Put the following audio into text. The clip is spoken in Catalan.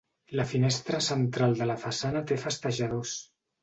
La finestra central de la façana té festejadors.